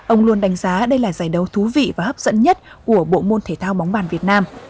ông luôn đánh giá đây là giải đấu thú vị và hấp dẫn nhất của bộ môn thể thao bóng bàn việt nam